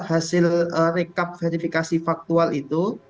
hasil rekap verifikasi faktual itu